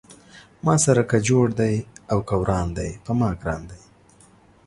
ما سره که جوړ دی او که وران دی پۀ ما ګران دی